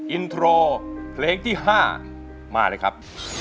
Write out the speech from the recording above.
อินโทรเพลงที่๕มาเลยครับ